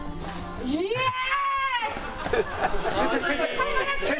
イエーイ！